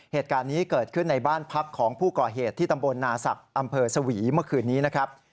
เหตุการณ์นี้เกิดขึ้นในบ้านพักของผู้ก่อเหตุที่ตำบลนาศักดิ์อำเภอสวีเมื่อคืนนี้นะครับ